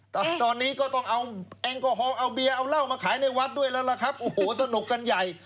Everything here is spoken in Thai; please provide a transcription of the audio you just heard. ตอนนี้ก็ต้องเอาเบียร์เอาเหล้ามาขายในวัดด้วยแล้วครับโอ้โหสนุกกันใหญ่